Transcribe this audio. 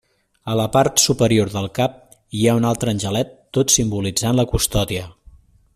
A la part superior del cap hi ha un altre angelet tot simbolitzant la custòdia.